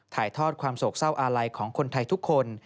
ถ่ายทอดความโศกเศร้าอาลัยของคนไทยทุกคน